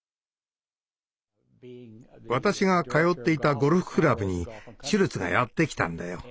私が通っていたゴルフクラブにシュルツがやって来たんだよ。